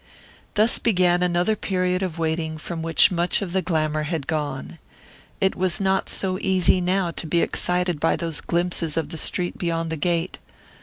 Thus began another period of waiting from which much of the glamour had gone. It was not so easy now to be excited by those glimpses of the street beyond the gate.